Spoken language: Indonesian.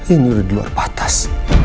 ini udah luar batas